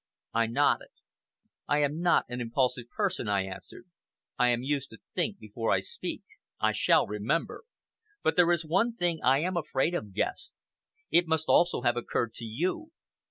I nodded. "I am not an impulsive person," I answered. "I am used to think before I speak. I shall remember. But there is one thing I am afraid of, Guest. It must also have occurred to you.